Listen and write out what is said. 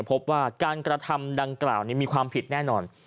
พบว่าการกระทำดังกล่าวนี้มีความผิดแน่นอน